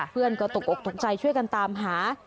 เพื่อนก็ตกอกตกใจช่วยกันตามหา